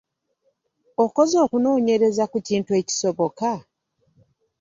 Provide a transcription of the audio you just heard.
Okoze okunoonyereza ku kintu ekisoboka?